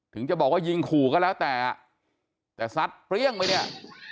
ถึงจะบอกว่ายิงขู่ก็แล้วแต่แต่ซัดเปรี้ยงไปเนี่ย